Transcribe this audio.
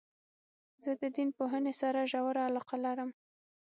زه د دین پوهني سره ژوره علاقه لرم.